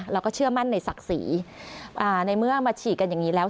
เราก็เชื่อมั่นในศักดิ์ศรีในเมื่อมาฉีดกันอย่างนี้แล้ว